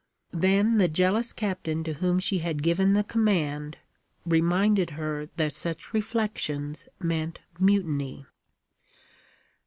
Then the jealous captain to whom she had given the command reminded her that such reflections meant mutiny.